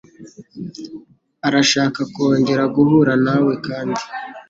Arashaka kongera guhura nawe kandi.